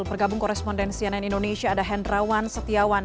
bergabung korespondensi ann indonesia ada hendrawan setiawan